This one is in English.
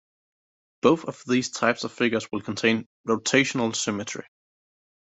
Both of these types of figures will contain rotational symmetry.